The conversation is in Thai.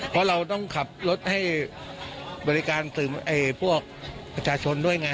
เพราะเราต้องขับรถให้บริการพวกประชาชนด้วยไง